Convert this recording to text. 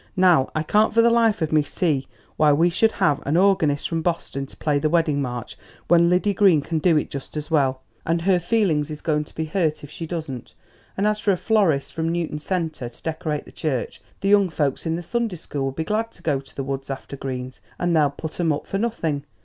"Now I can't for the life of me see why we should have an organist from Boston to play the wedding march, when Liddy Green can do it just as well, and her feelings is going to be hurt if she doesn't; and as for a florist from Newton Centre to decorate the church, the young folks in the Sunday school would be glad to go to the woods after greens, and they'll put 'em up for nothing.